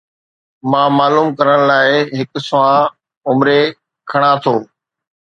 مان معلوم ڪرڻ لاءِ هڪ سوانح عمري کڻان ٿو.